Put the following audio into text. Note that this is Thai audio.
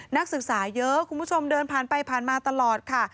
นักศึกษาเยอะคุณผู้ชมเดินผ่านไปผ่านมาตลอดค่ะ